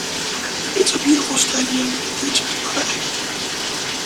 It's a beautiful stadium but the pitch is not happening.